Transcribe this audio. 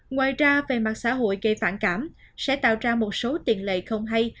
ngoài ra về mặt xã hội gây phản cảm sẽ tạo ra một số tiền lệ không hay